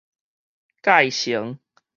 蓋成